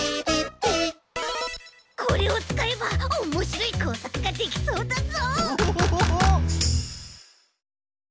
これをつかえばおもしろいこうさくができそうだぞ！